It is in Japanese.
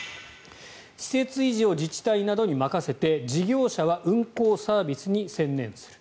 施設維持を自治体などに任せて事業者は運行サービスに専念する。